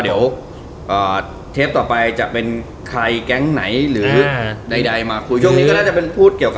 รู้ว่าเขาก็จะเหมือนอยู่ที่นู่นไง